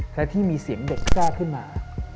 และที่มีเสียงเด็กแทรกขึ้นมา